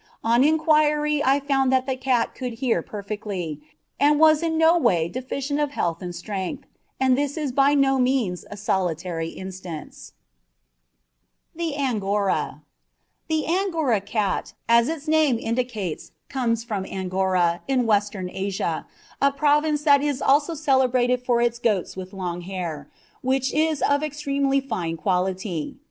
On inquiry I found that the cat could hear perfectly, and was in no way deficient of health and strength; and this is by no means a solitary instance. [Illustration: MISS SAUNDERS' "TIGER."] THE ANGORA. The Angora cat, as its name indicates, comes from Angora, in Western Asia, a province that is also celebrated for its goats with long hair, which is of extremely fine quality.